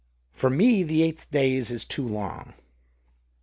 For me the eight days is too long.